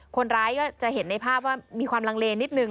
คนร้ายก็จะเห็นในภาพว่ามีความลังเลนิดนึง